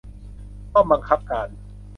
ป้อมบังคับการ